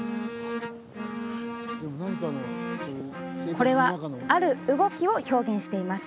これはある動きを表現しています